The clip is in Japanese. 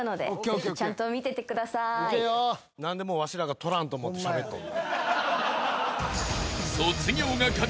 何でもうわしらが取らんと思ってしゃべっとる。